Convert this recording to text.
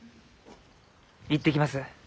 行ってきます。